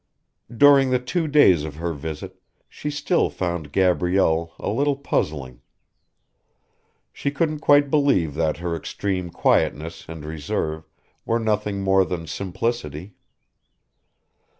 During the two days of her visit she still found Gabrielle a little puzzling. She couldn't quite believe that her extreme quietness and reserve were nothing more than simplicity.